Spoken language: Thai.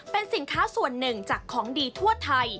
เป็นสินค้าส่วนหนึ่งจากของดีทั่วไทย